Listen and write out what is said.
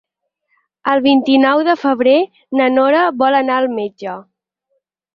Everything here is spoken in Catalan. El vint-i-nou de febrer na Nora vol anar al metge.